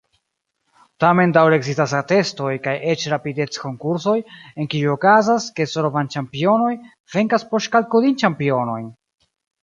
Tamen daŭre ekzistas atestoj kaj eĉ rapidec-konkursoj, en kiuj okazas, ke soroban-ĉampionoj venkas poŝkalkulil-ĉampionojn.